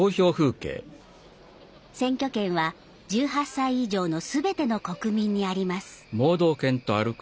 選挙権は１８歳以上のすべての国民にあります。